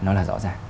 nó là rõ ràng